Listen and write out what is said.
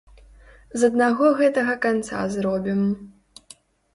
З аднаго гэтага канца зробім.